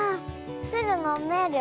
すぐのめる？